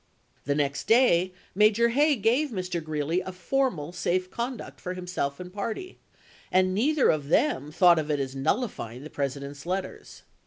The next day Major Hay gave Mr. Greeley a formal safe conduct for himself and party, and neither of them thought of it as nullifying the President's letters.